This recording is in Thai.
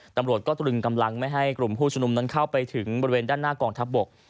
ตำรวจก็ตรึงกำลังไม่ให้กลุ่มผู้ชุมนุมนั้นเข้าไปถึงบริเวณด้านหน้ากองทัพบก